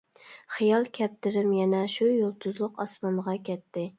خىيال كەپتىرىم يەنە شۇ يۇلتۇزلۇق ئاسمانغا كەتتى.